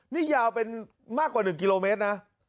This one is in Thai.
นี่ยาวเป็นมากกว่า๑กิโลเมตรนะ